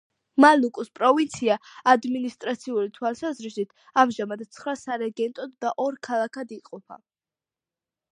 მალუკუს პროვინცია ადმინისტრაციული თვალსაზრისით ამჟამად ცხრა სარეგენტოდ და ორ ქალაქად იყოფა.